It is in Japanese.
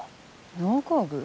農耕具？